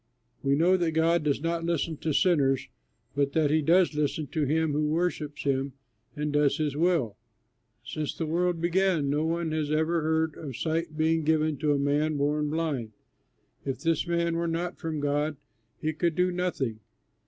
We know that God does not listen to sinners but that he does listen to him who worships him and does his will. Since the world began no one has ever heard of sight being given to a man born blind. If this man were not from God, he could do nothing."